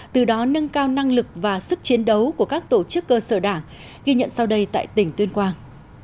từ đó nâng cao năng lực và sức chiến đấu của các tổ chức cơ sở đảng ghi nhận sau đây tại tỉnh tuyên quang